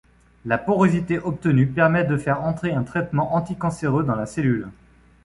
La porosité obtenue permet de faire entrer un traitement anticancéreux dans la cellule.